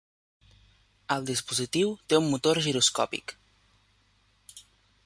El dispositiu té un motor giroscòpic.